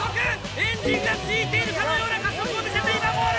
エンジンが付いているかのような加速を見せて今ゴール！